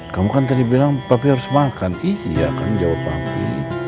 kamu kan tadi bilang papi harus makan iya kan jawab papi